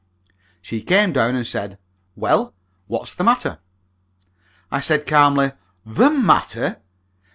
She came down and said, "Well, what's the matter?" I said, calmly, "The matter?